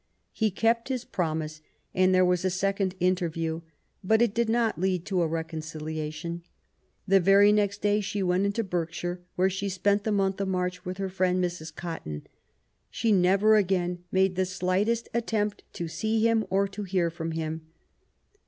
He kept his promise, and there was a second interview ; but it did not lead to a reconcili* ation. The very next day she went into Berkshire, where she spent the month of March with her friend, Mrs. Cotton. She never again made the slightest at tempt to see him or to hear from him.